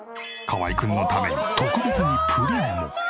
河合くんのために特別にプリンも。